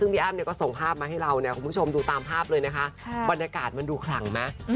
ปีอ้ามลงทางสร้างแนวระบบส่งภาพมาให้เราบรรยากาศมันดูขลังไหม